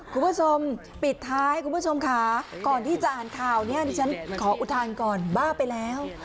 คุณผู้ชมปิดท้ายคุณผู้ชมค่ะก่อนที่จะอ่านข่าวเนี่ยดิฉันขออุทานก่อนบ้าไปแล้ว